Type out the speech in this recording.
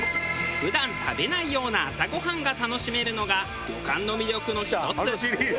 普段食べないような朝ごはんが楽しめるのが旅館の魅力の一つ。